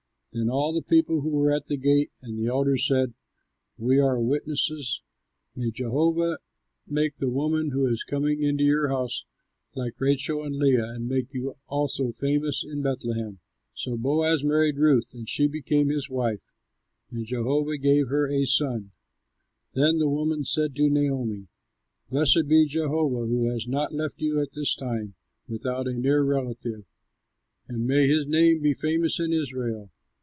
Then all the people who were at the gate and the elders said, "We are witnesses. May Jehovah make the woman who is coming into your house like Rachel and Leah, and make you also famous in Bethlehem." So Boaz married Ruth, and she became his wife; and Jehovah gave to her a son. Then the women said to Naomi, "Blessed be Jehovah who has not left you at this time without a near relative, and may his name be famous in Israel.